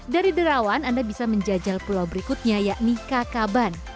dari derawan anda bisa menjajal pulau berikutnya yakni kakaban